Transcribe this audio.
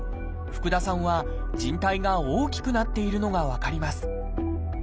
福田さんはじん帯が大きくなっているのが分かります。